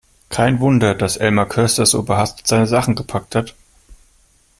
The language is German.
Kein Wunder, dass Elmar Köster so überhastet seine Sachen gepackt hat!